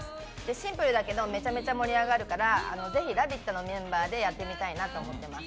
シンプルだけどめちゃくちゃ盛り上がるからぜひ「ラヴィット！」のメンバーでやってみたいと思います。